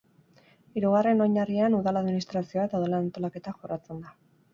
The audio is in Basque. Hirugarren oinarrian udal administrazioa eta udalen antolaketa jorratzen da.